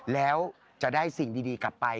แล้วจะได้สิ่งดีกลับไป